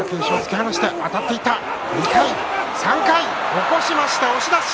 起こしました、押し出し。